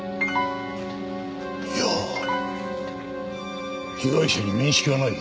いや被害者に面識はないが。